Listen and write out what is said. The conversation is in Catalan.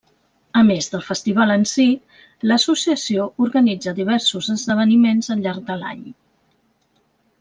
A més del festival en si, l’Associació organitza diversos esdeveniments al llarg de l’any.